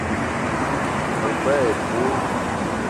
Me gbele épölo